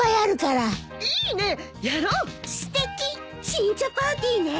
新茶パーティーね。